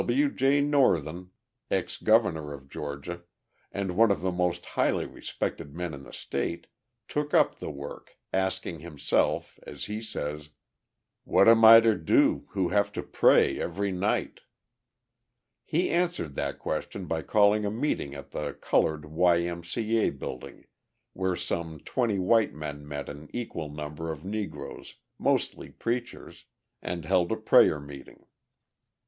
W. J. Northen, Ex Governor of Georgia, and one of the most highly respected men in the state, took up the work, asking himself, as he says: "What am I to do, who have to pray every night?" He answered that question by calling a meeting at the Coloured Y. M. C. A. building, where some twenty white men met an equal number of Negroes, mostly preachers, and held a prayer meeting.